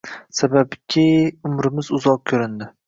Sababki, umrimiz uzoq ko’rindi